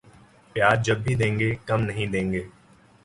پیار جب بھی دینگے کم نہیں دینگے